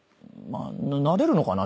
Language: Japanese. なれるのかな？